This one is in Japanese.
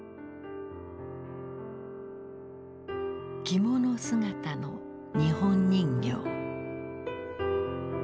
着物姿の日本人形。